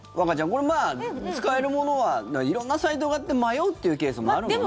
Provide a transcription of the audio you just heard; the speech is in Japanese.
これまあ、使えるものは色んなサイトがあって迷うっていうケースもあるもんね。